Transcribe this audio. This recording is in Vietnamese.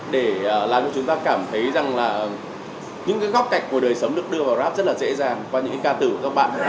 để làm cho chúng ta cảm thấy rằng là những góc cạch của đời sống được đưa vào rap rất là dễ dàng qua những ca tử của các bạn